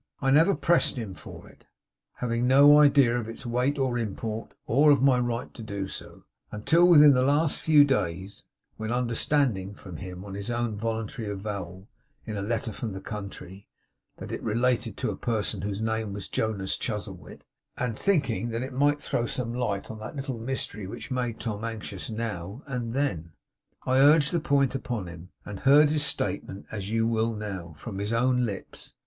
I never pressed him for it (having no idea of its weight or import, or of my right to do so), until within a few days past; when, understanding from him, on his own voluntary avowal, in a letter from the country, that it related to a person whose name was Jonas Chuzzlewit; and thinking that it might throw some light on that little mystery which made Tom anxious now and then; I urged the point upon him, and heard his statement, as you will now, from his own lips.